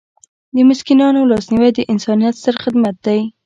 د مسکینانو لاسنیوی د انسانیت ستر خدمت دی.